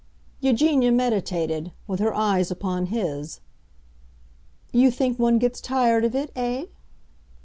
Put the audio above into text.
Eugenia meditated, with her eyes upon his. "You think one gets tired of it, eh?"